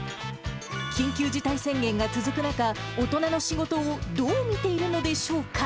緊急事態宣言が続く中、大人の仕事をどう見ているのでしょうか。